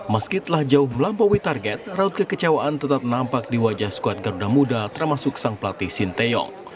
meski telah jauh melampaui target raut kekecewaan tetap nampak di wajah skuad garuda muda termasuk sang pelatih shin taeyong